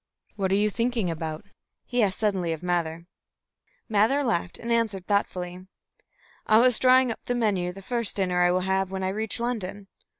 "What are you thinking about?" he asked suddenly of Mather. Mather laughed, and answered thoughtfully: "I was drawing up the menu of the first dinner I will have when I reach London.